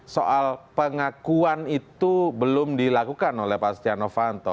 soal pengakuan itu belum dilakukan oleh pak stiano fanto